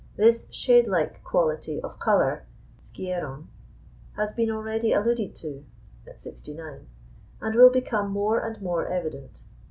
This shade like quality of colour (σκιέρον) has been already alluded to (69), and will become more and more evident.